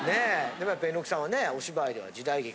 でもやっぱ榎木さんはねお芝居では時代劇。